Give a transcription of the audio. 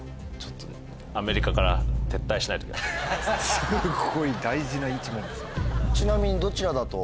すごい大事な１問ですね。